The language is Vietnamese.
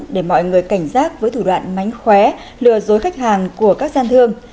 để mọi người cảnh giác với thủ đoạn mánh khóe lừa dối khách hàng của các gian thương